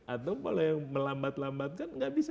atau kalau yang melambat lambat kan nggak bisa